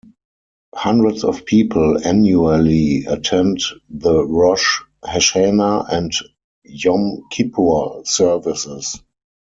Hundreds of people annually attend the Rosh Hashana and Yom Kippur services.